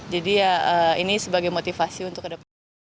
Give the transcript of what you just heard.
ya ini sebagai motivasi untuk ke depan